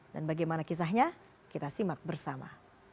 dan bagaimana kisahnya kita simak bersama